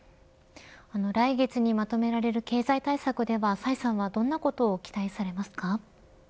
来月にまとめられる経済対策では崔さんはどんなことを期待されますか。